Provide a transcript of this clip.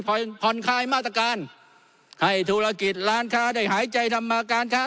ผ่อนผ่อนคลายมาตรการให้ธุรกิจร้านค้าได้หายใจทำมาการค้า